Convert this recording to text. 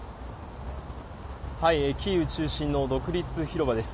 キーウ中心の独立広場です。